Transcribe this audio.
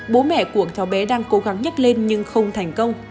bố mẹ của cháu bé đang cố gắng nhắc lên nhưng không thành công